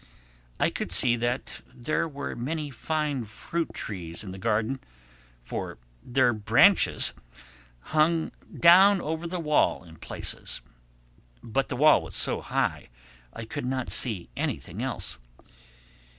I could see that there were many fine fruit trees in the garden, for their branches hung down over the wall in places. But the wall was so high I could not see anything else.